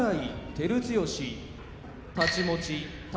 照強太刀持ち宝